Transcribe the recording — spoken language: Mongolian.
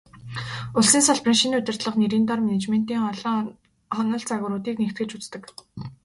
Улсын салбарын шинэ удирдлага нэрийн доор менежментийн олон онол, загваруудыг нэгтгэж үздэг.